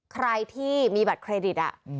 ใครที่มีบัตรเครดิต